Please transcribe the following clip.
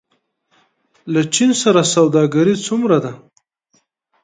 له چین سره سوداګري څومره ده؟